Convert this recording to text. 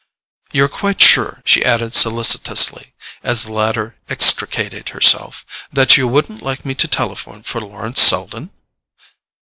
"You're quite sure," she added solicitously, as the latter extricated herself, "that you wouldn't like me to telephone for Lawrence Selden?"